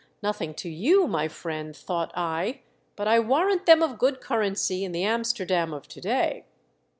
" Nothing to you, my friend," thought I ;" but I warrant them of good currency in the Amsterdam of to day."